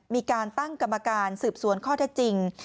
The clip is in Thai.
มีการตั้งกรรมการสืบสวนข้อเท็จจริง